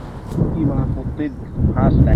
এই জিনিস পরা ঠিক হবে?